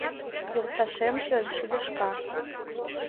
Йолташемже шыдешка.